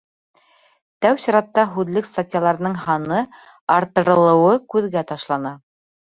Тәү сиратта һүҙлек статьяларының һаны арттырылыуы күҙгә ташлана.